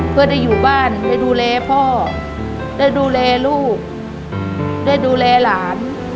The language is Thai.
เพื่อได้อยู่บ้านได้ดูแลพ่อได้ดูแลลูกได้ดูแลหลาน